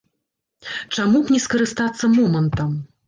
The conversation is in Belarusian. Чаму б не скарыстацца момантам?